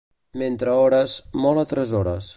Mentre ores, molt atresores.